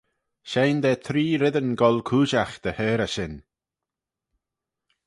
Shegin da tree reddyn goll cooidjagh dy heyrey shin.